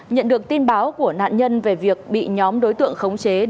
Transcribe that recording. nhận được tin báo của nạn nhân về việc bị nhóm đối tượng khống chế đưa về tỉnh tây ninh